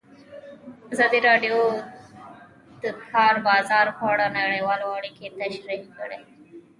ازادي راډیو د د کار بازار په اړه نړیوالې اړیکې تشریح کړي.